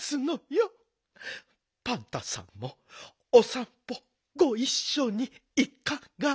パンタさんもおさんぽごいっしょにいかが？